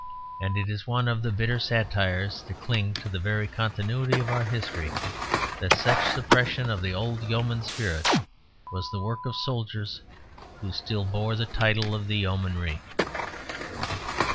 And it is one of the bitter satires that cling to the very continuity of our history, that such suppression of the old yeoman spirit was the work of soldiers who still bore the title of the Yeomanry.